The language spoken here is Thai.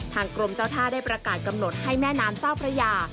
กรมเจ้าท่าได้ประกาศกำหนดให้แม่น้ำเจ้าพระยา